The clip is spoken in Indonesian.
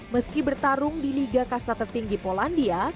meski bertarung di liga kasta tertinggi polandia